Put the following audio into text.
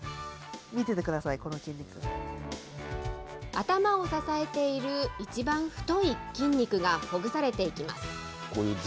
頭を支えている一番太い筋肉がほぐされていきます。